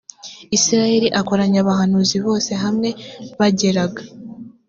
isirayeli akoranya abahanuzi bose hamwe bageraga